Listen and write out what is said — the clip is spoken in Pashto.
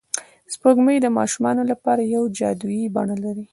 سپوږمۍ د ماشومانو لپاره یوه جادويي بڼه لري